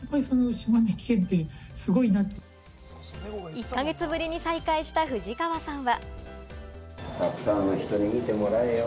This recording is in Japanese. １か月ぶりに再会した藤川さんは。